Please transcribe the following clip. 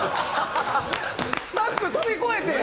スタッフ飛び越えて。